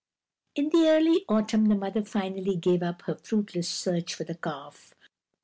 In early autumn the mother finally gave up her fruitless search for the calf.